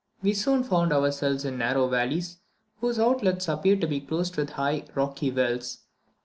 We soon found ourselves in narrow valleys, whose outlets appeared to be closed with high, rocky wells.